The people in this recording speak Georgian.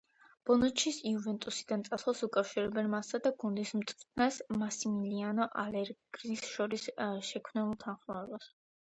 ბონუჩის „იუვენტუსიდან“ წასვლას უკავშირებენ მასსა და გუნდის მწვრთნელს, მასიმილიანო ალეგრის შორის შექმნილ უთანხმოებას.